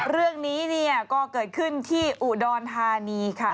เรื่องนี้เนี่ยก็เกิดขึ้นที่อุดรธานีค่ะ